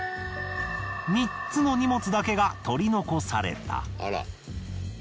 ３つの荷物だけが取り残された。